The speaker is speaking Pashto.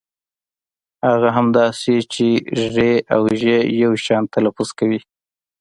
هغه هم داسې چې ږ او ژ يو شان تلفظ کوي.